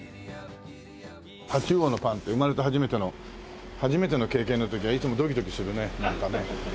タチウオのパンって生まれて初めての初めての経験の時はいつもドキドキするねなんかね。